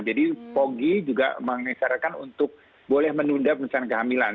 jadi pogi juga mengisarkan untuk boleh menunda pemeriksaan kehamilan